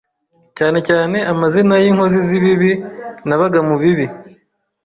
cyane cyane amazina y’inkozi zibibi nabaga mubibi